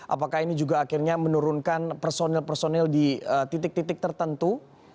apakah ini juga akhirnya menurunkan personil personil di titik titik tertentu